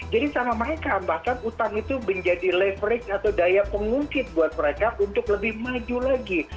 jadi sama mereka bahkan utang itu menjadi leverage atau daya pengungkit buat mereka untuk lebih maju lagi